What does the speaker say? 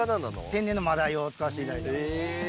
天然の真鯛を使わせていただいております。